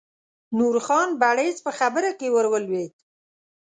نورخان بړیڅ په خبره کې ور ولوېد.